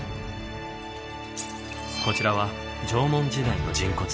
こちらは縄文時代の人骨。